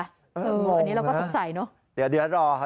อันนี้เราก็สงสัยเนอะ